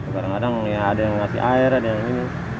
kadang kadang ada yang kasih air ada yang ini